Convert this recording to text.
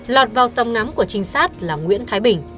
lọt vào tầm ngắm của trinh sát là nguyễn thái bình